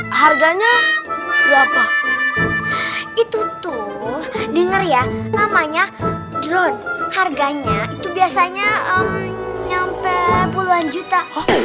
hai harganya itu tuh denger ya namanya drone harganya itu biasanya nyampe puluhan juta